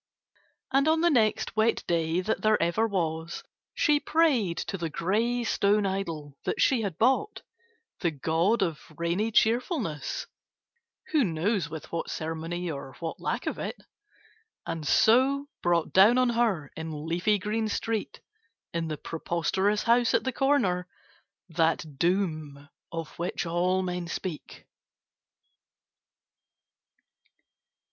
And on the next wet day that there ever was she prayed to the grey stone idol that she had bought, the God of Rainy Cheerfulness (who knows with what ceremony or what lack of it?), and so brought down on her in Leafy Green Street, in the preposterous house at the corner, that doom of which all men speak.